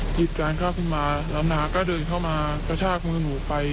กิจการก้าวขึ้นมาแล้วน้าก็เดินเข้ามากระชากมือหนูไป